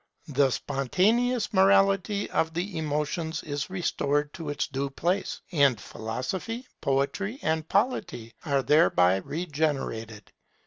The spontaneous morality of the emotions is restored to its due place; and Philosophy, Poetry, and Polity are thereby regenerated.